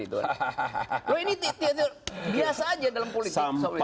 ini tia tia biasa saja dalam politik